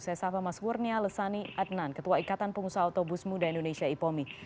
saya sapa mas murnia lesani adnan ketua ikatan pengusaha otobus muda indonesia ipomi